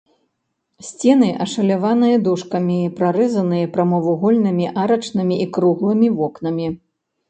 Сцены ашаляваныя дошкамі, прарэзаныя прамавугольнымі арачнымі і круглымі вокнамі.